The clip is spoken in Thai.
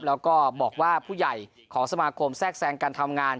แล้วก็บอกว่าผู้ใหญ่ของสมาคมแทรกแทรงการทำงาน